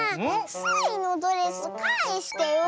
スイのドレスかえしてよ！